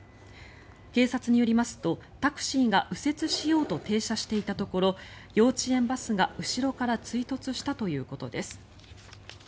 警察によりますとタクシーが右折しようと停車していたところ幼稚園バスが後ろから追突したということです。